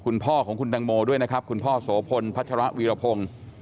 คุณพ่อของคุณตังโมด้วยนะครับคุณพ่อโสพลพัชระวีรพงศ์